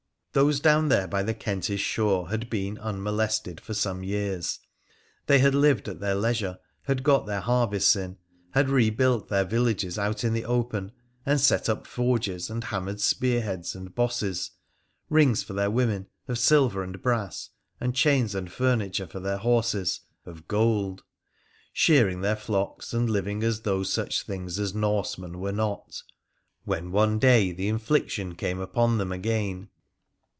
Those down there by the Kentish shore had been unmolested for some years, they had lived at their leisure, had got their harvests in, had rebuilt their villages out in the open, and set up forges and hammered spearheads and bosses, rings for the women, of silver and brass, and chains and furniture for their horses, of gold ; shearing their flocks, and living as though such things as Norsemen were not — when one day the infliction came upon them again.